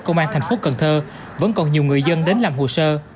công an tp cn vẫn còn nhiều người dân đến làm hồ sơ